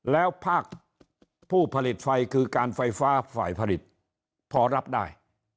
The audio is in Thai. แล้วภาคผู้ผลิตไฟคือการไฟฟ้าฝ่ายผลิตพอรับได้